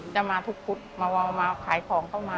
จะมาทุกพุธมาขายของเข้ามา